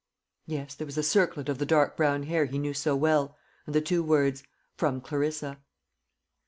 Yes, there was a circlet of the dark brown hair he knew so well, and the two works, "From Clarissa."